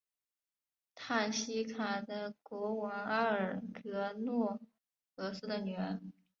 瑙西卡的国王阿尔喀诺俄斯的女儿。